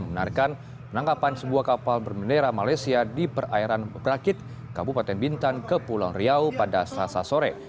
menarkan penangkapan sebuah kapal berbendera malaysia di perairan berakit kabupaten bintan kepulauan riau pada selasa sore